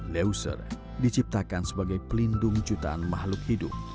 leuser diciptakan sebagai pelindung jutaan makhluk hidup